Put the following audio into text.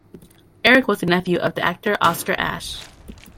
Eric was the nephew of the actor Oscar Asche.